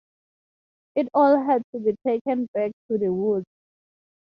It all had to be taken back to the woods.